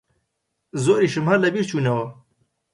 زۆریشم هەر لەبیر چوونەوە